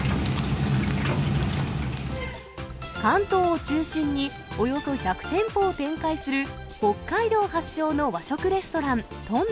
関東を中心におよそ１００店舗を展開する北海道発祥の和食レスト